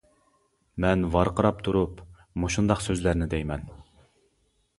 مەن ۋارقىراپ تۇرۇپ مۇشۇنداق سۆزلەرنى دەيمەن.